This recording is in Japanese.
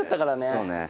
そうね。